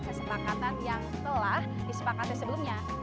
kesepakatan yang telah disepakati sebelumnya